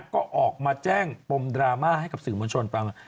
ก็ออกมาแจ้งปมดราม่าให้กับสื่อมวลชนฟัง